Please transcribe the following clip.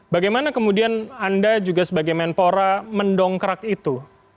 bagaimana kemudian anda juga sebagai menpora mendongkrak itu